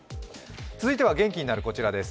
続いては元気になるこちらです。